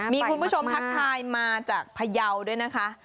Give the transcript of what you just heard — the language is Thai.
มีคุณผู้ชมทักทายมาจากพยาวด้วยนะคะ